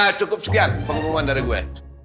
ya cukup sekian pengumuman dari gue